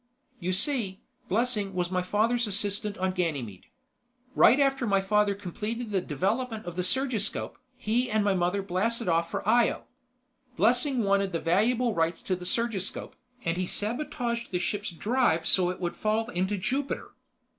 "You see, Blessing was my father's assistant on Ganymede. Right after my father completed development of the surgiscope, he and my mother blasted off for Io. Blessing wanted the valuable rights to the surgiscope, and he sabotaged the ship's drive so it would fall into Jupiter.